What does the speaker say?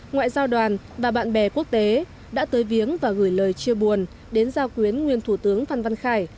ngoại giao đoàn và bạn bè quốc tế đã tới viếng và gửi lời chia buồn đến giao quyến nguyên thủ tướng phan văn khải